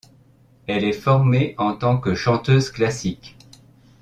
Elle est formée en tant que chanteuse classique.